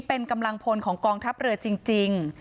เป็นกำลังพลของกองทัพเรือจริง